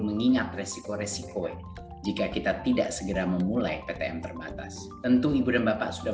mengingat resiko resiko jika kita tidak segera memulai ptm terbatas tentu ibu dan bapak sudah